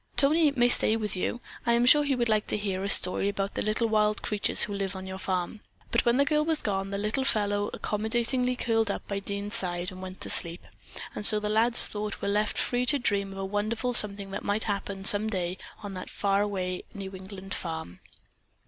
Tony may stay with you. I am sure he would like to hear a story about the little wild creatures who live on your farm." But, when the girl was gone, the little fellow accommodatingly curled up by Dean's side and went to sleep, and so the lad's thoughts were left free to dream of a wonderful something that might happen some day on that far away New England farm.